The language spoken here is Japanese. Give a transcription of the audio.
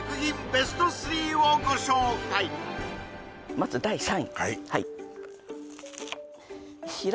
まず第３